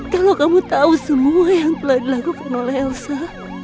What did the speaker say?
kalau kamu tahu semua yang telah dilakukan oleh elsa